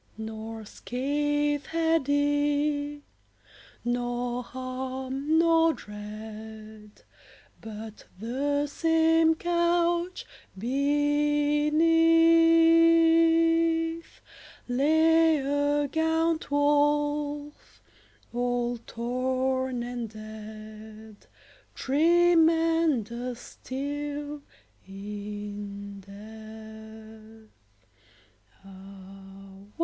Nor scath had he, nor harm, nor dread, But, the same couch beneath, Lay a gaunt wolf, all torn and dead, Tremendous still in death.